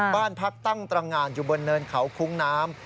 บ้านพักตั้งตรงานอยู่บนเนินเขาคุ้งน้ำ